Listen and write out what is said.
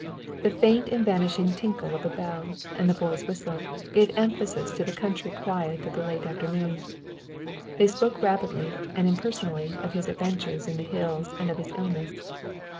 The faint and vanishing tinkle of a bell, and the boy's whistle, gave emphasis to the country quiet of the late afternoon. They spoke rapidly and impersonally of his adventures in the hills and of his illness.